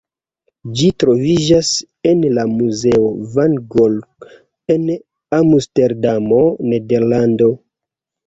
Ĝi troviĝas en la muzeo Van Gogh en Amsterdamo, Nederlando.